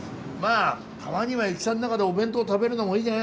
あたまには駅舎の中でお弁当食べるのもいいじゃないですか。